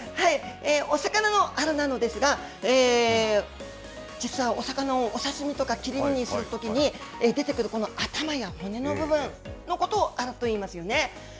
お魚のアラなのですが、実はお魚をお刺身とか切り身にするときに出てくる、この頭や骨の部分のことをアラと言いますよね。